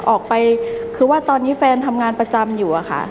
ออกไปคือว่าตอนนี้แฟนทำงานประจำอยู่อะค่ะ